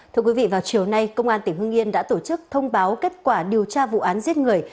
thưa quý vị vào chiều nay công an tỉnh hương yên đã tổ chức thông báo kết quả điều tra vụ án giết người